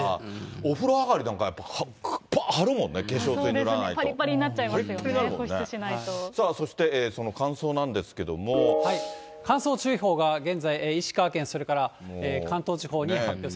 お風呂上りなんか、ぱーっ、張るもんね、ぱりぱりになっちゃいますよさあ、そしてその乾燥なんで乾燥注意報が現在、石川県、それから関東地方に発表されています。